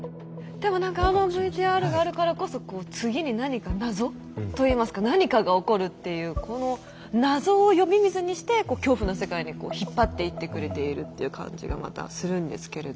でも何かあのＶＴＲがあるからこそ次に何か謎といいますか何かが起こるっていうこの謎を呼び水にしてこう恐怖の世界に引っ張っていってくれているって感じがまたするんですけれども。